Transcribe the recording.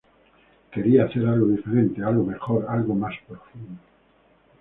Quería hacer algo diferente, algo mejor; algo más profundo.